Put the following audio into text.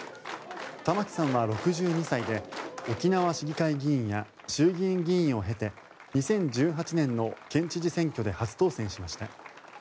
玉城さんは６２歳で沖縄市議会議員や衆議院議員を経て２０１８年の県知事選挙で初当選しました。